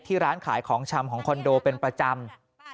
ร้านขายของชำของคอนโดเป็นประจำ